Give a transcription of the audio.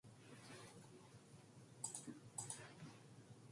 대통령은 국무회의의 의장이 되고, 국무총리는 부의장이 된다.